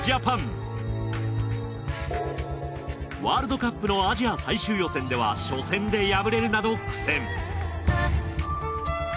ワールドカップのアジア最終予選では初戦で敗れるなど苦戦。